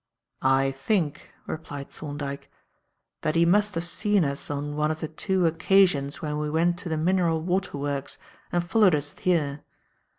"I think," replied Thorndyke, "that he must have seen us on one of the two occasions when we went to the mineral water works and followed us here.